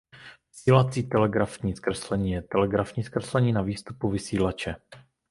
Vysílací telegrafní zkreslení je telegrafní zkreslení na výstupu vysílače.